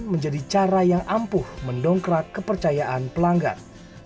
menjadi cara yang ampuh mendongkrak kepercayaan pelanggan